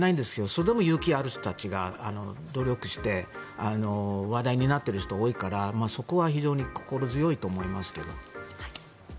それでも勇気ある人たちが努力して話題になっている人が多いからそこは非常に心強いと思いますけど。